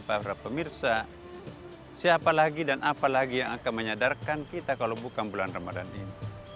para pemirsa siapa lagi dan apalagi yang akan menyadarkan kita kalau bukan bulan ramadan ini